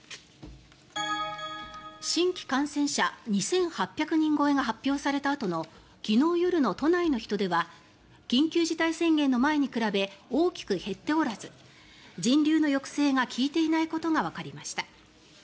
新規感染者２８００人超えが発表されたあとの昨日夜の都内の人出は緊急事態宣言の前に比べ大きく減っておらず人流の抑制が利いていないことがわかりました。